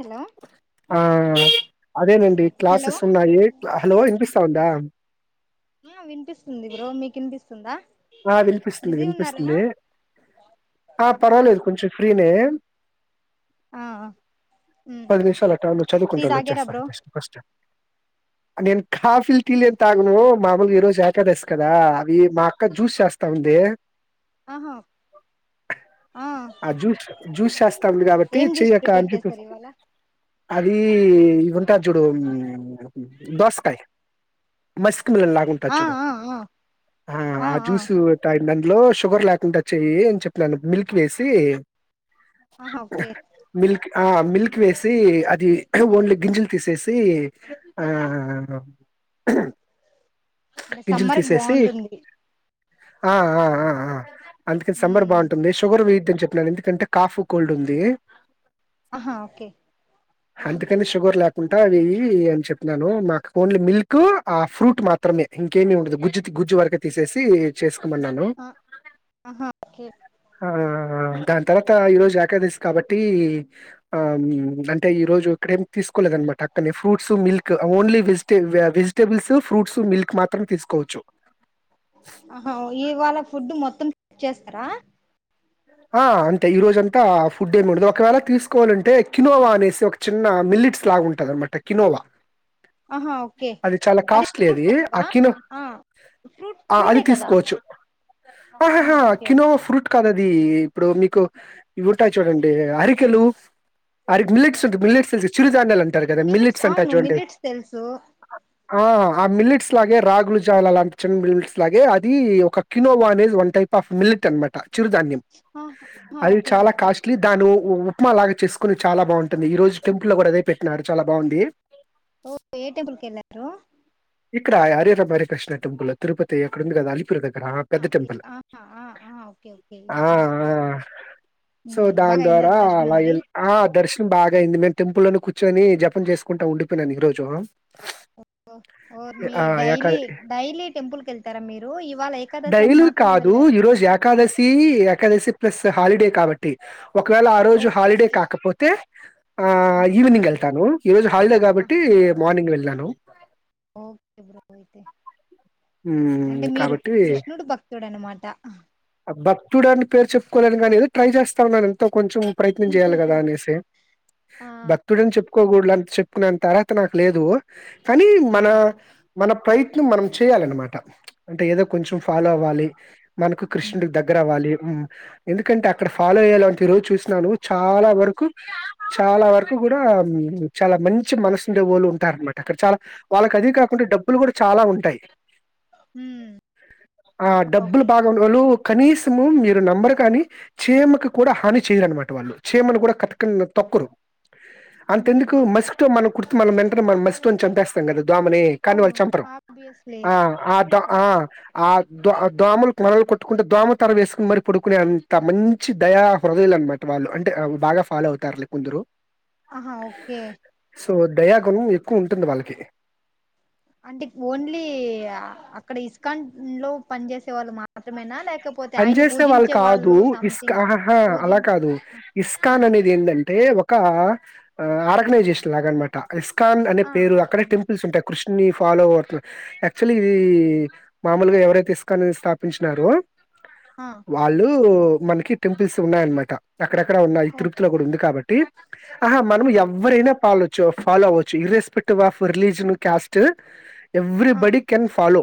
Hello ఆ అదేనండి hello classes ఉన్నాయి హలో వినిపిస్త వుందా ఆ వినిపిస్తుంది బ్రో మీకు వినిపిస్తుందా ఆ వినిపిస్తుంది బిజీ ఉన్నారేనా వినిపిస్తుంది ఆ పర్వాలేదు కొంచెం ఫ్రీనే ఆ ఉమ్ పది నిమిషాలు అ ట టీ చదువుకుంటా ఉండు తాగారా బ్రో వచ్చేస్తాను ఫస్ట్ ట అంటే నేను కాఫిల్ టీలు తాగాను మామూలుగా ఈ రోజు ఇక దాసి కదా అవి మాకు క్క జ్యూస్ చేస్తా ఉంది ఆహో ఆ జూస్ా ది కాబట్టి ఏం జ్యూస్ చెయ్యక్క ప్రిపేర్ అనీ చెప్పేసి చేశారు ఇవాళ అది ఇ ఉంట చూడు దోసకాయ మస్ లాగు ఉంటాది ఆ చూడు ఆ ఆ ఆ జ్యూస్ దాంట్లో షుగర్ లేకుండా చెయి అని చెప్పినను మిల్క్ వేసి ఆా ఓకే మిల్క్ ఆ మిల్క్ వేసి అది ఓన్లీ గింజలు తీసేసి ఆ అంటే గింజలు సమ్మర్ కి తీసేసి బాగుంటుంది ఆ ఆ ఆ ఆ అందుకే సమ్మెర్ ఉమ్ బాగుంటుంది షుగర్ వేయి చెప్పను ఎందుకంటే కాఫ్ కోల్డ్ ఉంది ఆహా ఓకే అందుకని షుగర్ లేకుండా అవి ఇవి అని చెప్పినను మాకు ఓన్లీ మిల్క్ ఆ ఫ్రూట్ మాత్ర మాత్రమే ఇంకేమి ఉండదు గుజ్జ గుజ్జ వరకే తీసేసి చేసు కో మన్నాను ఆ ఆహా ఓకే ఆ ఆ ఇంకా అంత తర్వాత ఈ రోజు ఎకాదసి కాబట్టి టి అంటే ఈ రోజు ఇక్కడేం తీసుకోలేదు అన్నమాట అక్కనే ఫ్రూట్స్ మిల్క్ ఓన్లీ వెజిటె వె వెజిటేబుల్స్ ఫ్రూట్స్ మిల్క్ మాత్రం తీసుకోవచ్చు ఆహా ఇవ్వాళ ఫుడ్ మొత్తం చేస్తారా ఆ అంతే ఈరోజంతా ఫుడ్ ఏమి ఉండదు ఒకవేళ తీసుకోవాలంటే కినోవా అనేసి ఒక చిన్న మిల్లిట్స్ లాగా ఉంటుందన్నమాట కినోవా ఆహా ఓకే అది చాలా కాస్టలీ ఫ్రూట్ అది టైపా ఆ కినో ఆ ఫ్రూట్ ఆ ఫ్రూటే అది కదా తీసుకోవచ్చు ఆ ఆహహా ఓకే ఓకే కినోవా ఫ్రూట్ కాదు అది ఇది ఇప్పుడు మీకు ఇవి ఉంటాయి చూడండి అరికెలు అరి మిల్లెట్స్ ఉంటాయి మిల్లెట్స్ చిరు చిరుధాన్యాలు అంటారు కదా మిల్లెట్స్ మిల్లిట్స్ అంట అవును చూడండి అవి మిల్లెట్స్ తెలుసు ఆ ఆ మిల్లెట్స్ లాగే రాగులు జావా అలాంటి చిన్న మిల్లెట్స్ లాగే అది ఒక కినోవా ఆనేది వన్ టైప్ ఆఫ్ మిల్లెట్ అనమాట చిరుధాన్యం ఆహా అది ఓకే చాలా ఓకే కాస్ట్ లీ దాను ఉప్మాలాగ చేసుకుని చాలా బాగుంటుంది ఈ రోజు టెంపుల్ కూడా అదే పెట్టిన్నాడు చాలా బాగుంది ఓ ఏ టెంపుల్ కి ఎళ్ళారు ఇక్కడ [unintelligible] కృష్ణ టెంపుల్ లో తిరుపతి అక్కడ ఉంది కదా అలిపిరి దగ్గర ఆ! పెద్ద టెంపుల్. ఆహా ఆ ఆ ఒకే ఒకే ఆ సో హ్మ్. దాని బాగా అయిందా ద్వారా దర్శనం అలా మరి ఆ దర్శనం బాగా అయింది మే [unintelligible] ప్పులోని కూర్చొని జపం చేసుకుంటా ఉండిపోయినాను ఈ రోజు ఓ మీ డైలీ డైలీ టెంపుల్ కి వెళ్తారా మీరు ఇవాళ ఏకాదశి అని మాత్రమే వెళ్లారా ఈ ఏకాదశి ప్లస్ హాలిడే కాబట్టి ఒకవేళ ఆ రోజు హాలిడే ఓకే కాకపోతే ఆ ఆహా ఈవనింగ్ వెళ్తాను ఈ రోజు హాలిడే కాబట్టి ఆహా మార్నింగ్ వెళ్ళాను హలో ఓకే బ్రో అయితే ఉ కాబట్టి [unintelligible] మాటా ఆ భక్తుడు అని పేరు చెప్పుకోలేను కానీ ఏదో ట్రై చేస్తాంన్నాను [unintelligible] ఎంతో కొంచెం ప్రయత్నం చేయాలి కదా అనేసి భక్తుడని చెప్పుకోకూడదు [unintelligible] [unintelligible] అర్హత నాకు లేదు కానీ ఆ మన మన ప్రయత్నం మనం చేయాలనమాట అంటే ఏదో కొంచెం ఫాలో అవ్వాలి మన హ్మ్. కృష్ణడికి దగ్గర అవ్వాలి ఎందుకంటే అక్కడ ఫాలో అయ్యాల అంటే ఈ రోజు చూసినా నువ్ చాలా వరకు చాలా వరకు కూడా చాలా మంచి మనసుండే వాళ్ళు ఉంటారు అనమాట అక్కడ చాలా వాళ్ళకి అద కాకుండా డబ్బులు కూడా చాలా ఉంటాయి హ్మ్. ఆ డబ్బులు ఓకే బాగా వాళ్ళు కనీసము మీరు నమ్మరు కాని చీమకు కూడా హాని చేయరునమాట వాళ్ళు చీమనుకూడా కతకు తొకురు హ్మ్. అంతెందుకు మస్టో మనకు [unintelligible] చంపేస్తాం కదా దోమని కానీ వాళ్లు అవును చంపరు ఆబ్వియస్లీ ఆ ఆ ద ఆ ఆ దోమలు మనలు కొట్టుకుంటే దోమతర వేసుకుని మరి పడుకునే అంత మంచి దయా హృదయాలు అనమాట వాళ్ళు అంటే బాగా ఫాలో అవుతారులే కొందరు ఆహా ఓకే దయాగుణం ఎక్కువ ఉంటుంది వాళ్ళకి అంటే ఓన్లీ అక్కడ ఇస్కాన్ ఇంట్లో పని చేసే వాళ్ళు మాత్రమేనా లేక పని చేసే వాళ్ళు కాదు ఇస్కా ఆహా అలా పూజించే కాదు ఆ ఇస్కాన్ అనేది ఏంటంటే అంటే ఒక ఆర్గనైజేషన్ లాగ అనమాట ఇస్కాన్ ఆ అనేేరు అక్కడ అర్థమైంది. టెంపుల్ ఉంటాయి కృష్ణ ఫాలోవర్స్ యాక్చువల్లీ ఇది మామూలుగా ఎవరైతే ఇస్కానీ స్థాపించినారో ఆ వాళ్ళు మనకి టెంపుల్స్ ఉన్నాయనమాట ఇక్కడక్కడ ఉన్నయి ఓ తృప్తి లో కూడా ఉంది కాట్టి [unintelligible] ఆహా మనం ఓకే ఎవ్వరైనా ఫాలో అవచ్చు irrespective of religion caste every uh body can follow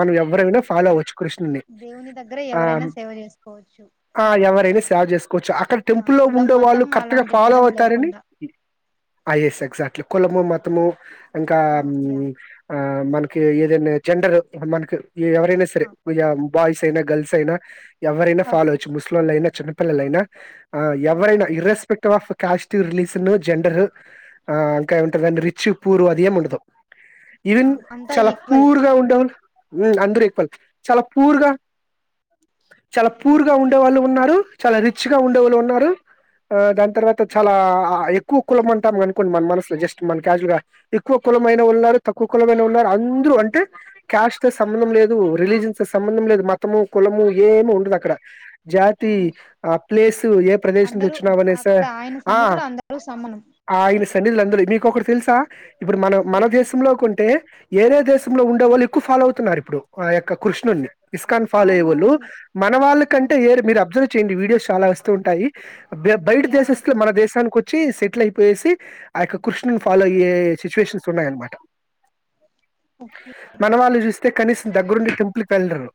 మనం ఓ ఎవ్వరైనా ఫాలో ఆ అవ్వచ్చు కృష్ణ దేవుని దగ్గర ఆ ఎవరైనా సేవ చేసుకోవచ్చు ఆ అంటారు ఎవరైనా సేవ చేసుకోవచ్చు అక్కడ ఆ టెంపు లో కులం ఉండే వాళ్ళు మతం కరెక్ట్ గా అలాంటి ఫాలో భేదం అవుతారని లేకుండా ఐఎస్ ఎగ్జాక్ట్లీ కులము మతము ఇంకా ఆ యా ఆ మన ఏదైనా జెండర్ [unintelligible] మాకు ఈ ఎవరైనా ఆ సరే [unintelligible] బాయ్స్అయినా గర్ల్స్ అయినా ఎవరైనా ఫాలో ఓకే అవచ్చు ముసలోళ్లయిన చిన్నపిల్లలయినా ఓ ఎవరైనా irrespective of caste religion gender ఆ ఇంకా ఎంటరండి రిచ్ పూర్ అది ఏం ఉండదు ఆ ఈవెన్ అంతా చాలా ఈక్వల్ పూర్ గా ఉండేవాళ్ళు అందరు ఈక్వల్ చలో పూర్గ చాలా యా పూర్గ ఉండే వాళ్ళు ఉన్నారు. చాలా రిచ్ గా ఉండే వాళ్ళు ఉన్నారు ఆ దాని తర్వాత చాలా ఎ [unintelligible] కులం అంటాం అనుకోండి మన మన జస్ట్ మన [unintelligible] ఎక్కువ కులంమైన ఉన్నారు తక్కువ కులంమైన ఉన్నారు హిందూ ఉమ్ అంటే క్యాస్ట్తో సంబంధం లేదు రిలీజిన్స్ సంబంధం లేదు మతము కులము ఏమి ఉండదు అక్కడ ఓ జాతి ఆ ప్లేస్ ఏ ప్రదేశం నుంచి అందరూ వచ్చినవేస అక్కడ ఆయన ఆ సన్నిధిలో అందరూ సమానం ఆయన తన్నిలందరూ మీకు ఒకడు తెలుసా ఇప్పుడు మన మన దేశంలోకొంటే వేరే దేశంలో ఉండే వాళ్ళు ఎక్కువ ఫాలో అవుతున్నారు ఇప్పుడు ఆ యొక్క కృష్ణుడ్ని ఇస్కాన్ ఫాలో అయ్యే వాళ్ళూ, అవునవును మన వాళ్ళ కంటే అవును. ఏరే మీరు అబ్జర్వ్ చేయండి వీడియోస్ చాలా వస్తూ ఉంటాయి. బయట యా దేశస్తులు మన చూస్ దేశానికి ఒచ్ చ్చీ సెటిల్ అయిపోయేసి, అ యొక్క కృష్ణుడీనీ ఫాలో అయ్యే సిచ్యువేషన్స్ ఉన్నాయనమాట. ఓకే మనవాళ్ళు చూస్తే కనీసం దగ్గరుండే టెంప్ పుల్ కెల్లరూ.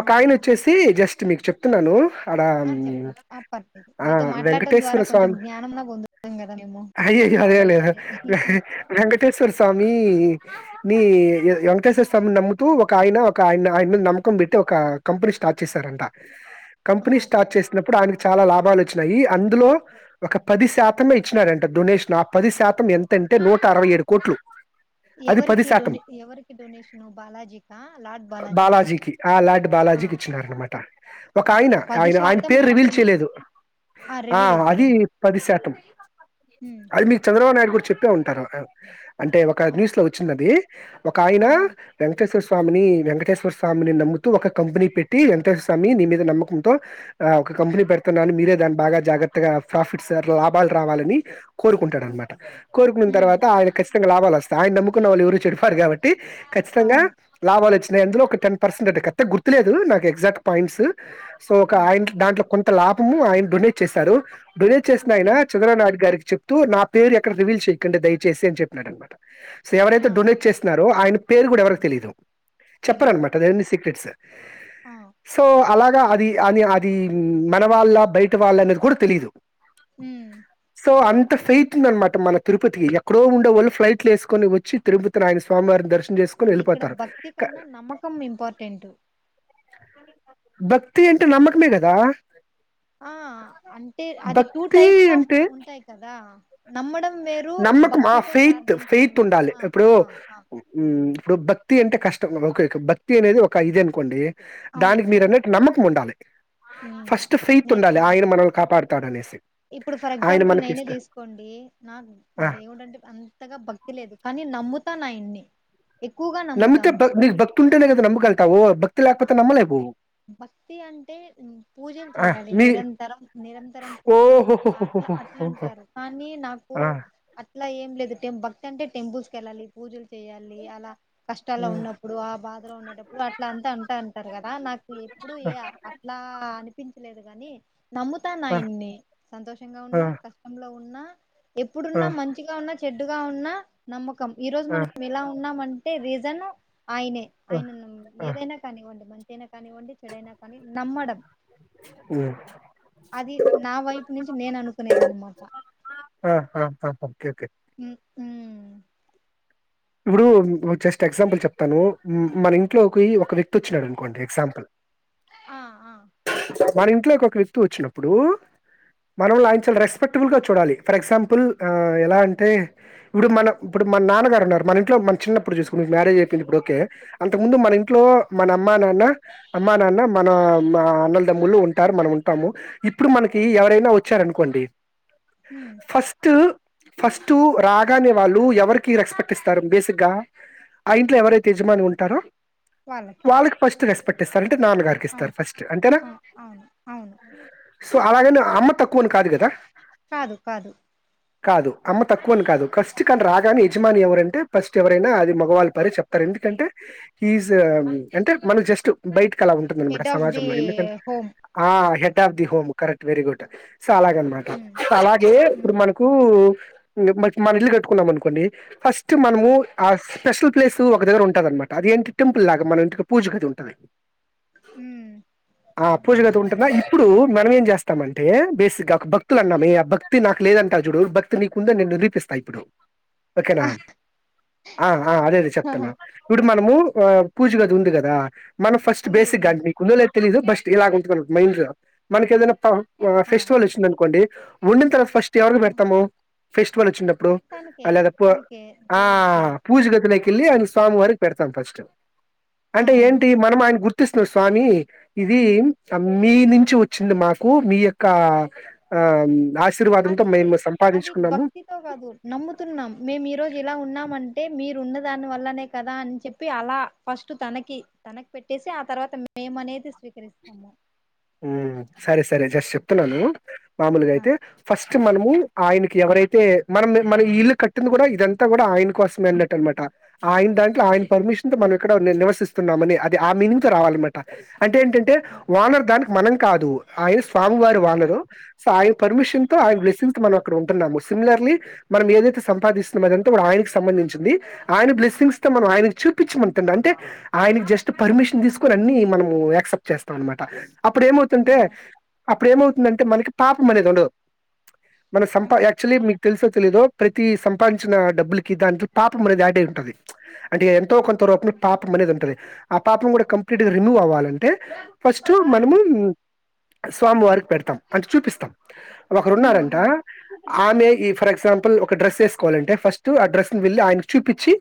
ఒకాయనొచ్చేసి జస్ట్ మీకు చెప్తున్నానూ. ఆడ ఆ ఆమ్ చెప్పండి ఆ పర్లేదు ఆ మీతో మాట్లాడటం ద్వారా వెంకటేశ్వర కొంచెం స్వామి జ్ఞానంన పొందుతాం కదా మేము అయ్యయో అదే నాలెడ్జ్ లేదు అనేది వెంకటేశ్వర స్వామీ నీ ఎన్కేసేస్ తం. నమ్ముతూ ఒక ఆయన ఒక ఆయన ఆయన నమ్మకం పెట్టి ఒకా కంపెనీ స్టార్ట్ చేశారంట. కంపెనీ ఆహా స్టార్ట్ ఓకే చేసినప్పుడు ఆయనకి చాలా లాభాల్ వచ్ చ్చినాయీ. అందులో ఒక పది శాతమే ఇచ్చినారంట డొనేషన్, ఆ పది శాతం ఎంతంటే నూట అరవై ఏడు కోట్లు. ఎవరికి డొనే ఎవరికి డొనేషను. బాలాజీకా లార్డ్ బాలాజీ బాలాజీకి ఆ లార్డ్ ఆ బాలాజీకి ఇచ్చినారు అనమాట. ఒక ఆయన, ఓకే పది ఆయన ఆయన శాతం పేరు రివీల్ మాత్రమే చేయలేదు. ఆ రివీల్ అదీ వద్దులేండి పది శాతం. ఉమ్ అది మీకు చద్ చంద్రబాబు నాయుడు కూడ చెప్పే ఉంటారు. ఆ అంటే ఒక ఆ న్యూస్ లో వచ్చిందదీ. ఒక ఆయనా ఆహా వెంకట్వర స్వామినీ, వెంకటేశ్వర స్వామిని నమ్ముతూ ఒక కంపెనీ పెట్టీ, వెంకటేశ్వర స్వామిని నీ మీద నమ్మకంతో, ఆ ఒక కంపెనీ పెడుతున్నాని మీరే దాన్ని బాగా జాగ్రత్తగా ఫ్రాఫిట్స్ ఆర్ లాభాలు రావాలని కోరుకుంటాడు అనమాట. కోరుకునిన్ ఉమ్ తర్వాత ఆయన ఖచ్ తంగా లాభాలు వస్తాయ్ ఆయన్ని నమ్ముకున్న వాళ్ళు ఎవరూ చెడిపోరు కాబట్టి. మొత్తంగా అవును లాభాలు వచ్ నయ్. అందులో ఒక టెన్ పర్సెంట్ అంతే కరెక్ట్ గా గుర్తులేదూ నాక్ ఎగ్జాక్ట్ పాయింట్సు. సో ఒక ఆ ఆయన్ దాంట్లో కొంత్ త లాభమూ ఆయన డొనేట్ చేసాడూ. డొనేట్ చేసిన ఓకే ఆయనా చంద్ర నాయుడు గారికి చెపుతూ నా పేరు ఎక్కడ రివీల్ చెయ్యకండి దయచేసి అని చెప్పినాడ్ అన్నమాట. సో ఎవరైతే ఆ డొనేట్ చేస్తున్నారో ఆయన పేరు గూడా ఎవరికి తెలీదు. తెలీదు చెప్పరన్నమాట అది అన్నీ సీక్రెట్సు. ఆ సో అలాగ్ అది అని అది మన వాళ్ళ బయట వాళ్ళ అనేది కూడా తెలీదు హూ సో అంత ఫెయిట్ ఉంది అనమాట మన తిరుపతి ఎక్కడో ఉండోళ్ళు ఫ్లైట్ వేసుకొని వచ్చి తిరుపతిని ఆయన స్వామివారి దర్శన్ అంటే ఇక్కడ భక్తి కన్నా నమ్మకం ఇంపార్టెంట్ భక్తి అంటే నమ్మకమే కదా ఆ అంటే అది టూ టైప్స్ ఆఫ్ అంటే ఉంటాయి కదా నమ్మడం వేరు నమ్మకం ఆ భక్తితో ఫెయిత్ ప్రార్థించడం ఫెయిత్ వేరు. ఉండాలి ఆ ఎపుడో ఆ ఆ ఉ ఇప్పుడు భక్తి అంటే కష్టం ఓకే ఓకే భక్తి అనేది ఒక ఇది అనుకోండి అవును దానికి మీరు అన్నట్టు నమ్మక్ ఉండాలి ఉమ్ ఫస్ట్ ఫెతూ నే ఉండాలి నేన ఆయన మనల్ని కాపాడుతాడనేసి ఇప్పుడు ఫర్ ఆయన ఎగ్జాంపుల్ నేనే మనకిస్తా తీసుకోండి నా ఆ! దేవుడు అంటే అంతగా భక్తి లేదు కానీ నమ్ముతు అంతా నాయి నే నమ్మితే బ భక్తి ఉంటేనే నమ్మ గలుగుతాము ఓ భక్ భక్తి ఆ లేకపోతే నమ్మలే కు భక్తి అంటే పూజలు ఆ! జేయాలి మీ నిరంతరం నిరంతరం పూజలు అట్లా అట్లా ఓహోహోహోహోహో! అంటారు కానీ నాకు ఆ! అట్లా ఏం లేదు టెం భక్ అంటే టెంపుల్స్ కి వెళ్లాలి పూజలు చేయాలి అలా కష్టాల్లో హ్మ్. ఉన్నప్పుడు ఆ బాధలో ఉండేటప్పుడు అట్లా అంతా అంటా అంటారు కదా నాకు ఎప్పుడూ ఆ! ఏ అట్లా అనిపించలేదు అది గాని నమ్ముతాను ఆ! ఆయన్ని సంతోషంగా ఉన్నా ఆ! కష్టంలో ఉన్నా ఆ! ఎప్పుడున్నా మంచిగా ఉన్నా చెప్ చెడ్డుగా ఉన్నా నమ్మక్ ఈ రోజు ఆ! మనం ఇలా ఉన్నామన్ అంటే రీజన్ ఆయనే ఆ! ఆయనను ఆ! ఏదైనా కానివ్వండి మన్ తెనా కానివ్వండి చెడైనా కానీ నమ్మడం హ్మ్. అది నా వైపు నుంచి నేను అనుకునేదన్నమాట ఆ! ఆ! ఆ! ఓకే. ఓకే. ఊ ఊ ఇప్పుడు జస్ట్ ఎగ్జాంపుల్ చెప్తాను మన ఇంట్లోకి ఒక వ్యక్తి చ్చినాడు అనుకోండి ఎగ్జాంపుల్ ఆ ఆ మన ఇంట్లోకి ఒక వ్యక్తి వచ్చినప్పుడు మన ఆ చాల రెస్పెక్ట్బుల్గా చూడాలి ఫర్ ఎగ్జాంపుల్ ఎలా అంటే ఇప్పుడు మన ఇప్పుడు మన నాన్నగారు ఉన్నారు మన ఇంలో మన చిన్నప్పుడు చూసుకుకు మ్యారేజ్ అయింది ఇప్పుడు కే అంతకు ముందు మన ఇంట్లో మన అమ్మ నాన్న అమ్మా నాన్న మన అన్నలు దమ్ములు ఉంటారు మనం ఉంటాము ఇప్పుడు మనకి ఎవరైనా వచ్చారనుకోండి ఉమ్ ఫస్ట్ ఫస్ట్ రాగానే వాళ్ళు ఎవరికి రెస్పెక్ట్ పటిస్తారు బేసిక్ గా ఆ ఇంట్లో ఎవరైతే యజమాని ఉంటారో వాళ్ళకి ఫస్ట్ రెస్ప పట్ట సర నాన్నగారికి ఇస్తారు అవును ఫస్ట్ అంతేనా అవును అవును అవును సో అలాగేనే అమ్మ తక్కువని కాదు కదా కాదు కాదు కాదు అమ్మ తక్కువ అని కాదు కష్టటి కానీ రాగానే యజమాని ఎవరైనా ఫస్ట్ ఎవరైనా అది మగవాళ పరి చెప్తారు ఎందుకంటే అంటే మనం జస్ట్ బయట అలా ఉంటుందన్నమాట హెడ్ ఆఫ్ ది సమాజంలో ఎందుకంటే హోమ్ ఆ of the home correct very good చాలాగ అనమాట ఉమ్ అలాగే ఇప్పుడు ఉమ్ మనకు మ మన ఇల్లు కట్టుకున్నాం అనుకోండి ఫస్ట్ ఆ మనము ఆస్ స్పెషల్ ప్లేస్ ఒక దగ్గర ఉంటుందిన్నమాట అదింటి టెంపుల్లాగా మన ఇంటికి పూజగా అది ఉంటుంది ఉమ్ ఆ పూజగాది ఉంటదా ఇప్పుడు మనం ఏం చేస్తామంటే బేసిక్ గా ఒక భక్తులు అన్నా ఆ భక్తి నాకు లేదంటారు చూడు భక్తి నీకు ఉందని నేను నిరూపిస్తాను ఇప్పుడు ఓకేనా ఆ అదే అదే ఆహ్ చెప్తాను ఇ మనము ఆ పూజగాది ఉంది కదా మనం ఫస్ట్ ఉంది ఉంది బేసిక్గాం మీకుందు లేతే తెలీదు బస్ట్ ఇలాగ ఉంటున్నాన్నారు మైండ్ మనకి ఏదైనాప్ప ఆ ఫెస్టివల్ వచ్చింది అనుకోండి ఉడిన తర ఫస్ట్ ఎవరి ఆ, పెడతాము ఫెస్టివల్ వచ్చినప్పు అప్పుడు తనకే అలాదప్పు తనకే ఆ దేవుడికే పూజ గదులయితే కిళ్ళలి ఆయన స్వామి వారికి పెడతాం ఫస్ట్ ఆ, అంటే అవును ఏంటి మనం ఆయన గుర్తు ర్ష్ణ స్వామి ఇది మీ నుంచి వచ్చింది మాకు మీ యొక్క ఆ ఆశ అది అది భక్తితో కాదు నమ్ముతున్నాం మేము ఈ రోజు ఇలా ఉన్నా అంటే మీరు ఉన్న దాని వల్లనే కదా అని చెప్పి అలా ఫస్ట్ తనకి తనకి పెట్టేసి ఆ తర్వాత మేము అనేది స్వీకరిస్తాము ఉ సర సరే జస్ట్ చెప్తున్నాను మామూలుగా ఆ అయితే ఫస్ట్ నట్ మనము ఆయనకి ఎవరైతే మనం మన ఇల్లు కట్టింది కూడా ఇదంతా కూడా ఆయన కోసమే అన్నట్టు అనమాట ఆయన దాంట్లో ఆయన పర్మిషన్ త మనం ఇక్కడ నివసిస్తున్నామని అది ఆ మీనింగ్ తో రావాలన్నమాట అంటే ఏంటంటే వానర్ దానికి కాదు ఆయన స్వామి వారు వాళ్ళరు సో ఆయన పర్మిషన్ తో ఆయన బ్లెసింగ్స్ మనం అక్కడ ఉంటున్నాము సిమిలర్లీ మనం ఏదైతే సంపాదిస్తున్నా అదంతా కూడా ఆయనకి సంబంధించింది ఆయన బ్లెస్సింగ్స్ తో మనం ఆయన చూపించమ అంటే ఆయనకి జస్ట్ పర్మిషన్ తీసుకుొని అన్ని మనం యాక్సెప్ట్ చేస్తాం అనమాట అప్పుడు ఏమవుతుంటే యా అప్పుడు ఏమవుతుందంటే మనకి పాపం అనేది ఉండదు మన సంప ఆహా యాక్చువలీ మీకు తెలుస తెలిదుో ప్రతి సంపాదించిన డబ్బులకి దాంట్ పాపం అనేది యాట ఉంటది అంటే ఎంతో కొంత రూపంలో పాపం అనేది ఉంటంది ఆ పాపం కూడా కంప్లీట్ గా రిమూవ్ అవ్వాలంటే ఫస్ట్ మనమ ఉమ్ స్వామి వారికి పెడతాం అంటే చూపిస్తాం ఒకరు ఉమ్ ఉన్నారంట ఉమ్ ఆమె ఈ ఫర్ ఎగ్జాంల్ ఒకడ్రెస్ వేసుకోవాలంట ఫస్ట్ ఆ డ్రెస్ ను వెళ్లి ఆయన చూపించి